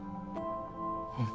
うん。